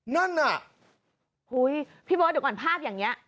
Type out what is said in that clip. นั่นน่ะโห้ยพี่บอสเดี๋ยวก่อนภาพอย่างเนี้ย